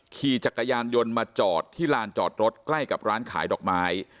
ขี่จักรยานยนต์มาจอดที่ลานจอดรถใกล้กับร้านขายดอกไม้